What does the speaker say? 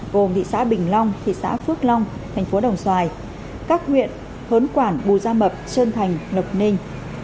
gồm thị xã bình long thị xã phước long thành phố đồng xoài các huyện hớn quản bùi gia mập sơn thành lộc ninh